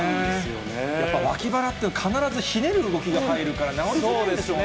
やっぱり脇腹って必ずひねる動きが入るから、治りづらいんでしょうね。